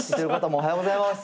おはようございます。